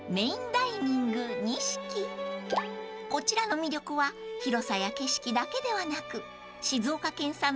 ［こちらの魅力は広さや景色だけではなく］